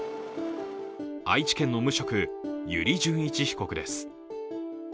愛知県の無職、油利潤一被告です。